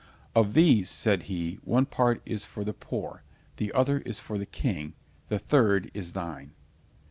"Of these," said he, "one part is for the poor, the other is for the king, the third is thine."